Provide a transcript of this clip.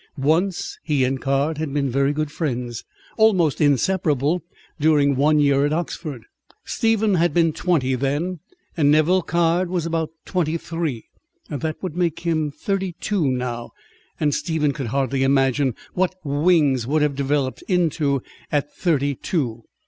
Once, he and Caird had been very good friends, almost inseparable during one year at Oxford. Stephen had been twenty then, and Nevill Caird about twenty three. That would make him thirty two now and Stephen could hardly imagine what "Wings" would have developed into at thirty two.